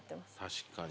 確かにね。